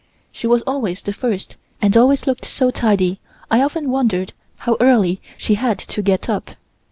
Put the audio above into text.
She was always the first and always looked so tidy I often wondered how early she had to get up.